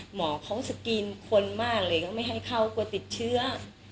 หมอเขาสกรีนคนมากเลยก็ไม่ให้เข้ากลัวติดเชื้อ